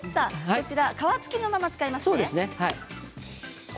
こちらは皮付きのままですね。